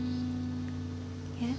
えっ？